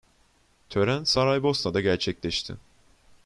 Tören Saraybosna'da gerçekleşti.